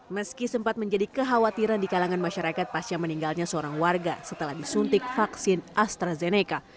meski sempat menjadi kekhawatiran di kalangan masyarakat pasca meninggalnya seorang warga setelah disuntik vaksin astrazeneca